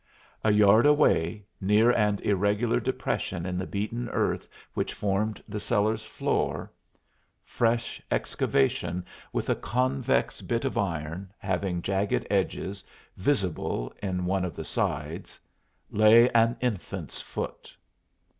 A yard away, near an irregular depression in the beaten earth which formed the cellar's floor fresh excavation with a convex bit of iron, having jagged edges, visible in one of the sides lay an infant's foot.